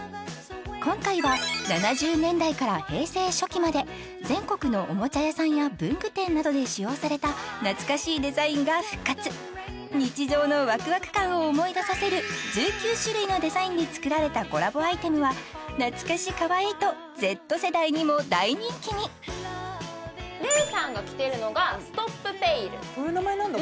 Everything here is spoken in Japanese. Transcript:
今回は７０年代から平成初期まで全国のおもちゃ屋さんや文具店などで使用された懐かしいデザインが復活日常のワクワク感を思い出させる１９種類のデザインで作られたコラボアイテムは懐かしかわいいとＺ世代にも大人気に礼さんが着てるのがストップペイルそういう名前なんだ？